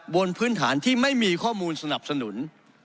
บนพื้นฐานที่ไม่มีข้อมูลสนับสนุน